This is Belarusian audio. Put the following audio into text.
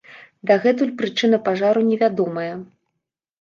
Дагэтуль прычына пажару невядомая.